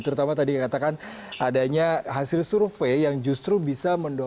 terutama tadi yang katakan adanya hasil survei yang justru bisa menurut saya